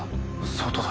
外だ。